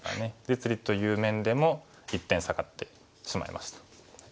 実利という面でも１点下がってしまいました。